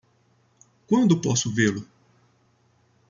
Quando posso vê-lo?